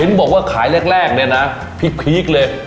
เห็นบอกว่าขายแรกเนี่ยนะพลิกเลย